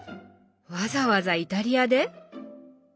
わざわざイタリアで？